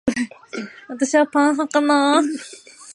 米っていいよね